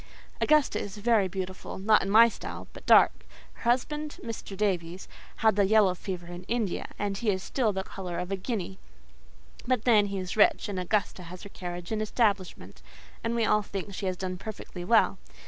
Augusta is very beautiful—not in my style—but dark; her husband, Mr. Davies, had the yellow fever in India, and he is still the colour of a guinea; but then he is rich, and Augusta has her carriage and establishment, and we all think she has done perfectly well.